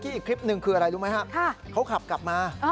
มีรถเก๋งแดงคุณผู้ชมไปดูคลิปกันเองนะฮะ